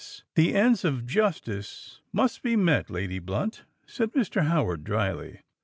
"The ends of justice must be met, Lady Blunt," said Mr. Howard drily.